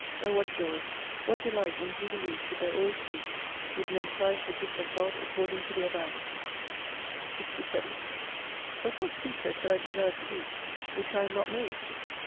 O what Joy, what Delight and Jubilee should there always be, would men prize the Gifts of God according to their value ! 67 But what creature could I desire to be which I am not made